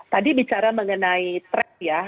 tadi bicara mengenai track ya